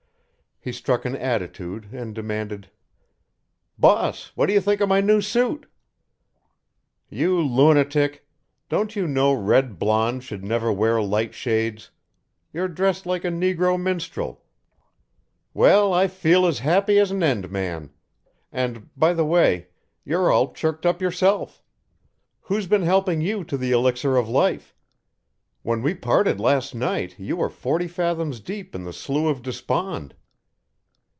He struck an attitude and demanded: "Boss, what do you think of my new suit?" "You lunatic! Don't you know red blonds should never wear light shades? You're dressed like a Negro minstrel." "Well, I feel as happy as an end man. And by the way, you're all chirked up yourself. Who's been helping you to the elixir of life. When we parted last night, you were forty fathoms deep in the slough of despond."